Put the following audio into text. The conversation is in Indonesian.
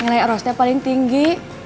ngelai erosnya paling tinggi